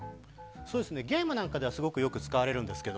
ゲームなんかではすごくよく使われるんですが。